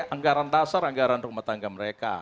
anggaran dasar anggaran rumah tangga mereka